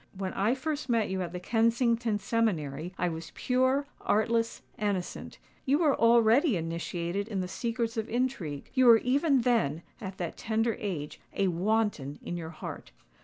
When I first met you at the Kensington seminary, I was pure, artless, innocent:—you were already initiated in the secrets of intrigue—you were even then, at that tender age, a wanton in your heart."